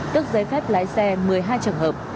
tức giấy phép lái xe một mươi hai trường hợp